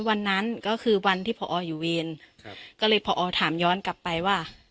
วันนั้นก็คือวันที่พออยู่เวรครับก็เลยพอถามย้อนกลับไปว่า